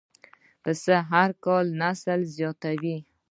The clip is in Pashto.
پسه هر کال نسل زیاتوي.